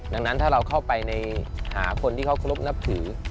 ดังนั้นถ้าเราเข้าไปในหาคนที่เขาเคารพนับถือ